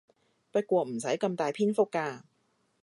不過唔使咁大篇幅㗎